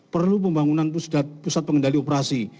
perlu pembangunan pusat pengendali operasi